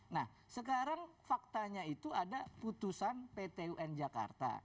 nah sekarang faktanya itu ada putusan pt un jakarta